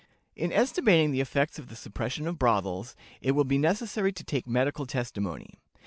'" In estimating the effects of the suppression of brothels, it will be necessary to take medical testimony.